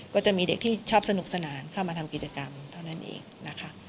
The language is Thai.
ก็จะมีเด็กที่ชอบสนุกสนานเข้ามาทำกิจกรรมเท่านั้นเองนะคะ